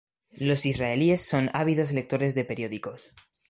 Los israelíes son ávidos lectores de periódicos.